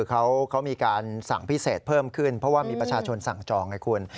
เขามีการสั่งพิเศษเพิ่มขึ้นเพราะว่ามีประชาชนสั่งจองไงคุณ